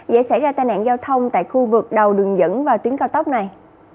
dễ xảy ra tai nạn giao thông tại khu vực đầu đường dẫn vào tuyến cao tốc này